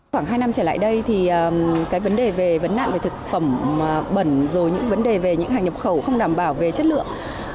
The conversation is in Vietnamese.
khoảng hai năm trở lại đây thì cái vấn đề về vấn nạn về thực phẩm bẩn rồi những vấn đề về những hàng nhập khẩu không đảm bảo về chất lượng